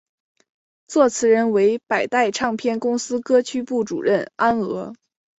作词人为百代唱片公司歌曲部主任安娥。